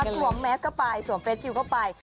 กล่วงแมสเข้าไปสวมแฟสชิวเข้าไป